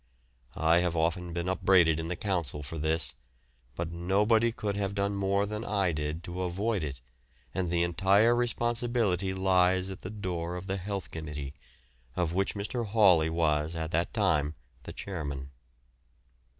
I have often been upbraided in the Council for this; but nobody could have done more than I did to avoid it, and the entire responsibility lies at the door of the Health Committee, of which Mr. Hawley was at that time the chairman.